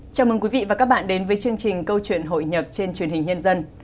chào mừng quý vị và các bạn đến với chương trình câu chuyện hội nhập trên truyền hình nhân dân